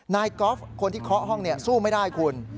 กอล์ฟคนที่เคาะห้องสู้ไม่ได้คุณ